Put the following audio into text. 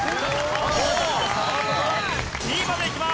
２位までいきます。